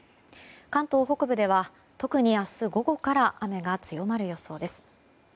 関東北部では特に明日午後から雨が強まる予想です。